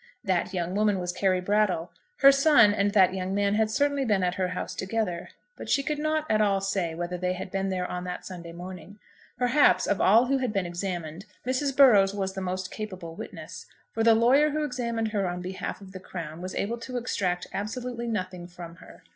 That young woman was Carry Brattle. Her son and that young man had certainly been at her house together; but she could not at all say whether they had been there on that Sunday morning. Perhaps, of all who had been examined Mrs. Burrows was the most capable witness, for the lawyer who examined her on behalf of the Crown was able to extract absolutely nothing from her.